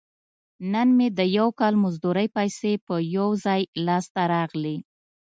نن مې د یو کال مزدورۍ پیسې په یو ځای لاس ته راغلي.